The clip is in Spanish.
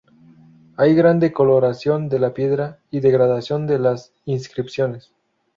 Hay gran decoloración de la piedra y degradación de las inscripciones.